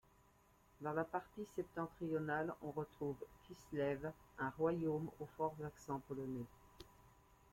Dans la partie septentrionale on retrouve Kislev, un royaume aux forts accents polonais.